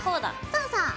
そうそう。